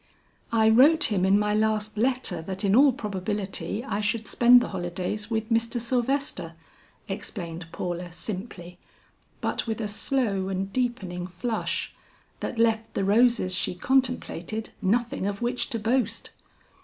"I wrote him in my last letter that in all probability I should spend the holidays with Mr. Sylvester," explained Paula simply, but with a slow and deepening flush, that left the roses she contemplated nothing of which to boast.